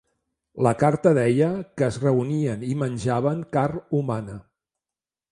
La carta deia que es reunien i menjaven carn humana.